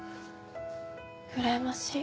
うらやましい。